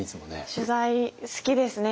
取材好きですね。